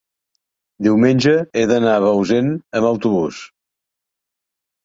diumenge he d'anar a Bausen amb autobús.